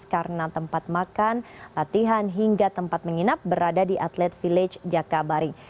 karena tempat makan latihan hingga tempat menginap berada di atlet village jakabaring